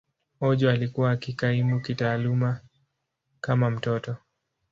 Ojo alikuwa akikaimu kitaaluma kama mtoto.